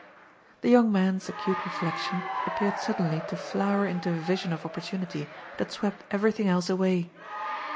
The young man's acute reflexion appeared suddenly to flower into a vision of opportunity that swept everything else away.